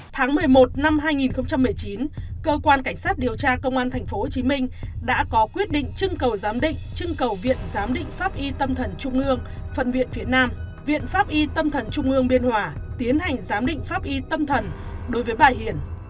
tháng một mươi một năm hai nghìn một mươi chín cơ quan cảnh sát điều tra công an tp hcm đã có quyết định trưng cầu giám định trưng cầu viện giám định pháp y tâm thần trung ương phân viện phía nam viện pháp y tâm thần trung ương biên hòa tiến hành giám định pháp y tâm thần đối với bà hiền